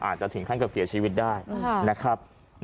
อาจจะถึงขั้นกลางเสียชีวิตสุดท้ายบาดเจ็บคนขับเครน